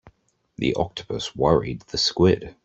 The octopus worried the squid.